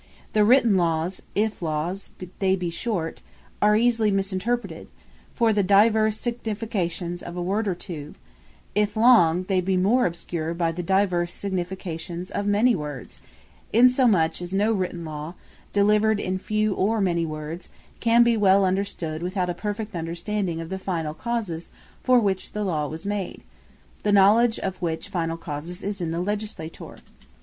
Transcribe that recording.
The written Laws, if they be short, are easily mis interpreted, from the divers significations of a word, or two; if long, they be more obscure by the diverse significations of many words: in so much as no written Law, delivered in few, or many words, can be well understood, without a perfect understanding of the finall causes, for which the Law was made; the knowledge of which finall causes is in the Legislator.